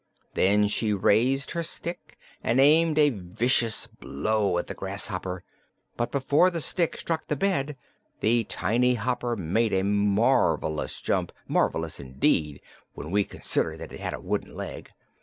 Then she raised her stick and aimed a vicious blow at the grasshopper, but before the stick struck the bed the tiny hopper made a marvelous jump marvelous, indeed, when we consider that it had a wooden leg.